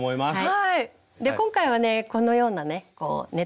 はい。